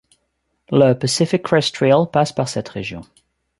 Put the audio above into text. Le Pacific Crest Trail passe par cette région.